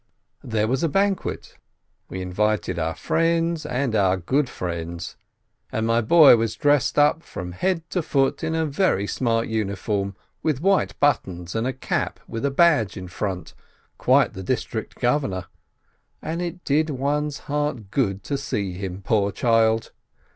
There was a banquet ; we invited our friends and our good friends, and my boy was dressed up from head to foot in a very smart uniform, with white buttons and a cap with a badge in front, quite the district governor! And it did one's heart good to see him, poor child